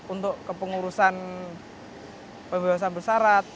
untuk kepengurusan pembebasan bersyarat